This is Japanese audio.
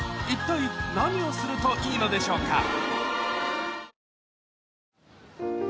一体何をするといいのでしょうか？